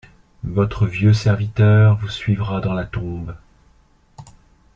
Votre vieux serviteur vous suivra dans la tombe.